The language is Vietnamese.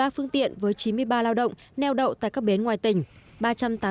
một mươi ba phương tiện với chín mươi ba lao động neo động tại các bến ngoài tỉnh